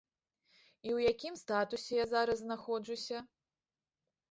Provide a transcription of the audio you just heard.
І ў якім статусе я зараз знаходжуся?